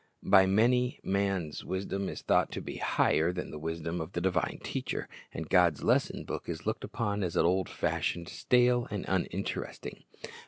By many, man's wisdom is thought to be higher than the wisdom of the divine Teacher, and God's lesson book is looked upon as old fashioned, stale, and uninteresting.